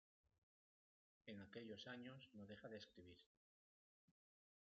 En aquellos años, no deja de escribir.